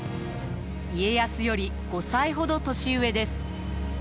家康より５歳ほど年上です。